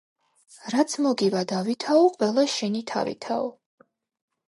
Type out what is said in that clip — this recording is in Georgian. რაც მოგივა დავითაო, ყველა შენი თავითაო